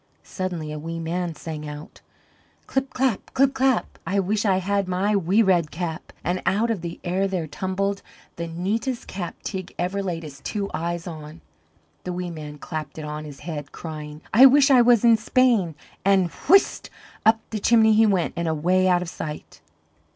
Suddenly a wee man sang out: "Clip, clap, clip, clap, I wish I had my wee red cap!" And out of the air there tumbled the neatest cap Teig ever laid his two eyes on. The wee man clapped it on his head, crying: "I wish I was in Spain!" and whist up the chimney he went, and away out of sight.